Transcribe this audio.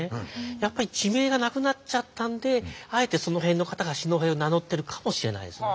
やっぱり地名がなくなっちゃったんであえてその辺の方が四戸を名乗ってるかもしれないですね。